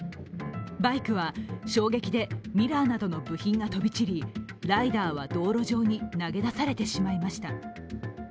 バイクは衝撃でミラーなどの部品が飛び散り、ライダーは、道路上に投げ出されてしまいました。